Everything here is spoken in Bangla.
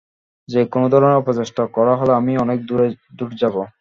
যে কোন ধরনের অপচেষ্টা করা হলে আমি অনেক দুর যাবো!